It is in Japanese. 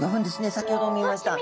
先ほど見ました。